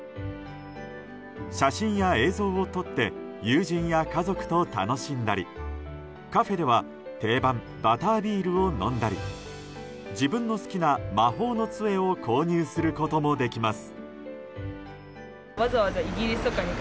写真や映像を撮って友人や家族と楽しんだりカフェでは定番バタービールを飲んだり自分の好きな魔法の杖を購入することもできます。